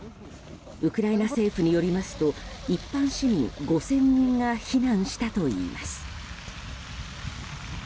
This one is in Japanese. ウクライナ政府によりますと一般市民５０００人が避難したといいます。